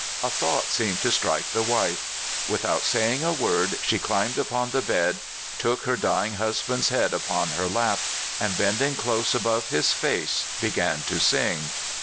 A thought seemed to strike the wife. Without saying a word, she climbed upon the bed, took her dying husband's head upon her lap, and, bending close above his face, began to sing.